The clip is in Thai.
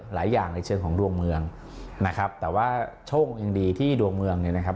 หลายอย่างในเชิงของดวงเมืองนะครับแต่ว่าโชคยังดีที่ดวงเมืองเนี่ยนะครับ